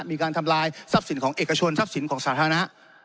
มีการทำลายทรัพย์สินของเอกชนทรัพย์สินของสาธารณะ